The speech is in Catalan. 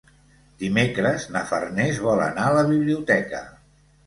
Dimecres na Farners vol anar a la biblioteca.